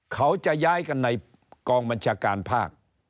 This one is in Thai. เขาจะย้ายกันในกองบัญชาการภาค